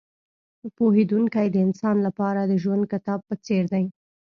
پوهېدونکی د انسان لپاره د ژوندي کتاب په څېر دی.